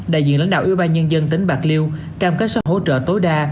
đại diện lãnh đạo ưu ba nhân dân tính bạc liêu cam kết sẽ hỗ trợ tối đa